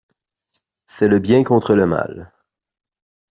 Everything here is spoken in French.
C'est le bien contre le mal.